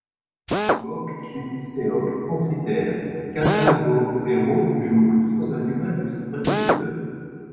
Mok Jin-seok considère qu'AlphaGo Zero joue plus comme un humain que ses prédécesseurs.